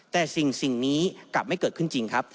แต่สิ่งนี้กลับไม่เกิดขึ้นจริงครับ